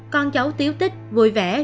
con cháu tiếu tích vui vẻ